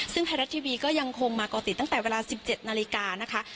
ซึ่งไทยรัฐทีวีก็ยังคงมาก่อติดตั้งแต่เวลา๑๗นาฬิกานะคะ